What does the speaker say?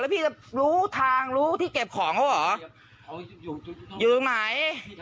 ผมรู้ว่าไม่มีใครอยู่ด้วย